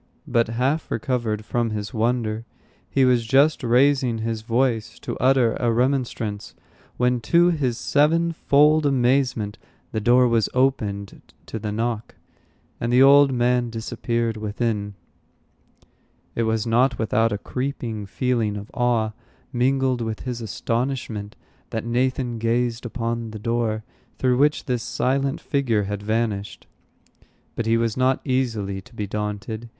But half recovered from his wonder, he was just raising his voice to utter a remonstrance, when, to his sevenfold amazement, the door was opened to the knock, and the old man disappeared within. It was not without a creeping feeling of awe, mingled with his astonishment, that Nathan gazed upon the door through which this silent figure had vanished. But he was not easily to be daunted.